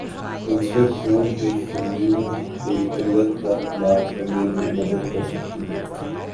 منسلک خون کے خلیوں کی قلت کا علاج کرنے میں مدد کر سکتا ہے